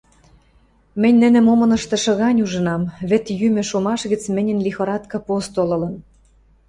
Мӹнь нӹнӹм омыныштышы гань ужынам, вӹд йӱмӹ шомаш гӹц мӹньӹн лихорадка постол ылын.